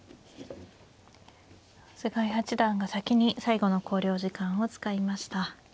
菅井八段が先に最後の考慮時間を使いました。